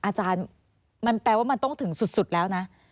อาจารย์มันแปลว่ามันต้องถึงสุดแล้วนะ